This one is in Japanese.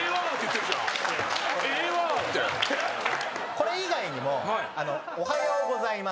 これ以外にも「おはようございます」とか。